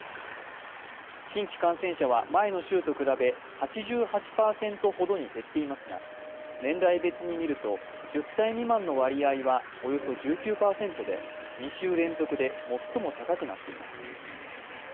新規感染者は前の週と比べ８８％ほどに減っていますが、年代別に見ると１０歳未満の割合はおよそ１９％で２週連続で最も高くなっています。